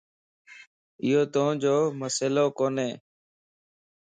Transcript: ايو توجو مسئلو ڪوني